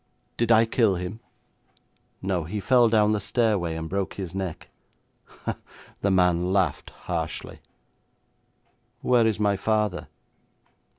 'Did I kill him?' 'No; he fell down the stairway and broke his neck.' The man laughed harshly. 'Where is my father?'